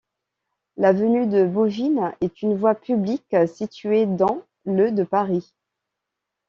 L'avenue de Bouvines est une voie publique située dans le de Paris.